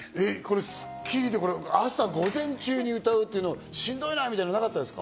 『スッキリ』で朝、午前中に歌う、しんどいなみたいなのはなかっですか？